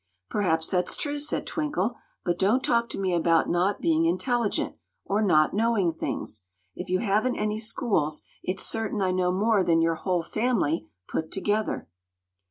"Perhaps that's true," said Twinkle. "But don't talk to me about not being intelligent, or not knowing things. If you haven't any schools it's certain I know more than your whole family put together!"